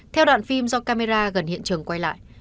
theo đoạn phim do camera gần hiện trường quay lại